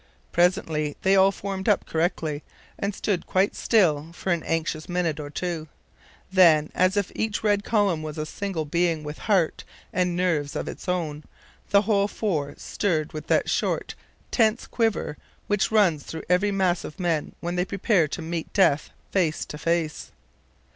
Presently they all formed up correctly, and stood quite still for an anxious minute or two. Then, as if each red column was a single being, with heart and nerves of its own, the whole four stirred with that short, tense quiver which runs through every mass of men when they prepare to meet death face to face.